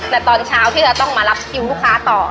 แต่ตอนเช้าที่จะต้องมารับคิวลูกค้าต่อ